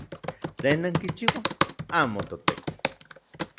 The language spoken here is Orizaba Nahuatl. ¿Tlen nankichiuaj? ¡Amo toteki!